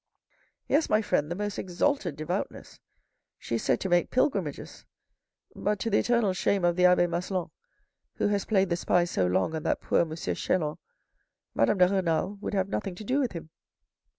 " Yes, my friend, the most exalted devoutness. She is said to make pilgrimages. But to the eternal shame of the abbe Maslon, who has played the spy so long on that poor M. Chelan, Madame de Renal would have nothing to do with him.